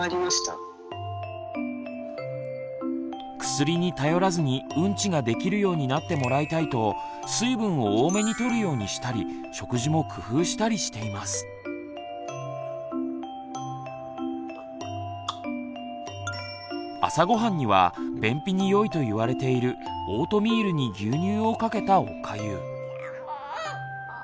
薬に頼らずにウンチができるようになってもらいたいと朝ごはんには便秘によいと言われているオートミールに牛乳をかけたおかゆ。